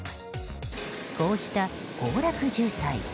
こうした行楽渋滞。